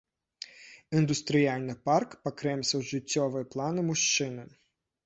Індустрыяльны парк пакрэмсаў жыццёвыя планы мужчыны.